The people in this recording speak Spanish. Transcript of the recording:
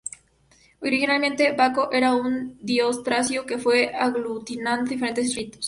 Originalmente, Baco era un dios tracio que fue aglutinando diferentes ritos.